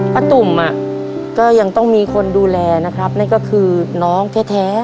ตุ่มก็ยังต้องมีคนดูแลนะครับนั่นก็คือน้องแท้